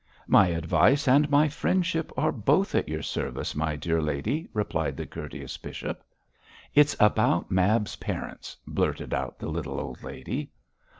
'My advice and my friendship are both at your service, my dear lady,' replied the courteous bishop. 'It is about Mab's parents,' blurted out the little old lady.